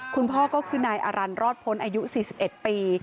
คุณพ่อก็คือนายอรันรอดพ้นอายุ๔๑ปี